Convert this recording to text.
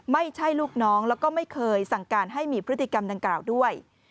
ไม่ใช่ลูกน้องแล้วก็ไม่เคยสั่งการให้มีพฤติกรรมดังกล่าวด้วย